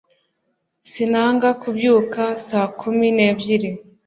Sinanga kubyuka saa kumi n'ebyiri